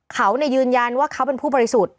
เขายืนยันว่าเขาเป็นผู้บริสุทธิ์